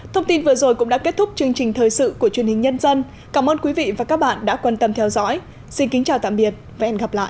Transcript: thông tin vừa rồi cũng đã kết thúc chương trình thời sự của truyền hình nhân dân cảm ơn quý vị và các bạn đã quan tâm theo dõi xin kính chào tạm biệt và hẹn gặp lại